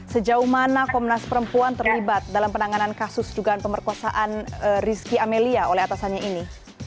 sejauh mana komnas perempuan terlibat dalam penanganan kasus dugaan pemerkosaan rizky amelia oleh atasannya ini